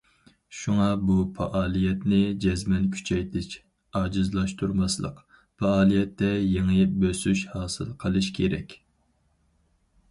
شۇڭا بۇ پائالىيەتنى جەزمەن كۈچەيتىش، ئاجىزلاشتۇرماسلىق، پائالىيەتتە يېڭى بۆسۈش ھاسىل قىلىش كېرەك.